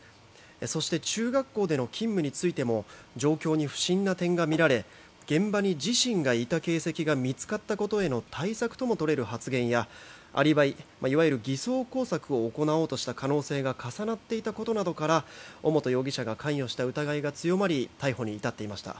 そして、中学校での勤務についても状況に不審な点が見られ現場に自身がいた形跡が見つかったことへの対策とも取れる発言やアリバイいわゆる偽装工作を行おうとした可能性が重なっていたことから尾本容疑者が関与していた疑いが強まり逮捕に至っていました。